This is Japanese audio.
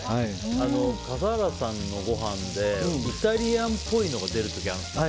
笠原さんのごはんでイタリアンっぽいのが出る時があるんですよ。